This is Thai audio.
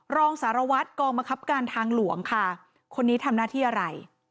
รองสารวัตรกองมะครับการทางหลวงค่ะคนนี้ทำหน้าที่อะไร